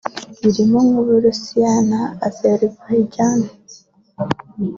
birimo nk’u Burusiya na Azerbaijan